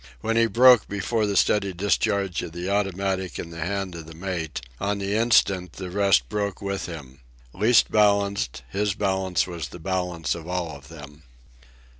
When he broke before the steady discharge of the automatic in the hand of the mate, on the instant the rest broke with him. Least balanced, his balance was the balance of all of them.